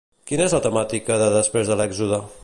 Quina és la temàtica de Després d'Èxode?